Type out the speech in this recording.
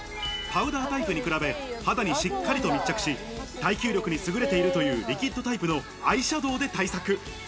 パウダータイプに比べ、肌にしっかりと密着する、耐久力に優れているというリキッドタイプのアイシャドウで対策。